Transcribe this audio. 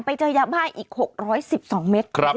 ไปเจอยาบ้าอีก๖๑๒เมตร